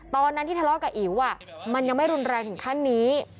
ตอนนั้นที่ทะเลาะกับอิ๋วมันยังไม่รุนแรงถึงขั้นนี้